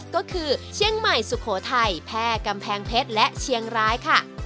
ก็คือเชียงใหม่สุโขทัยแพร่กำแพงเพชรและเชียงรายค่ะ